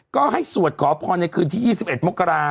ก็ให้สวดขอพรในคืนที่๒๑มกรา